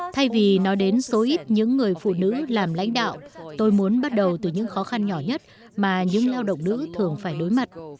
thay vì nói đến số ít những người phụ nữ làm lãnh đạo tôi muốn bắt đầu từ những khó khăn nhỏ nhất mà những lao động nữ thường phải đối mặt